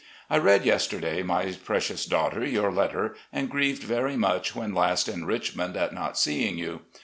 I read yesterday, my precious daughter, your letter, and grieved very much when last in Richmond at not seeing you.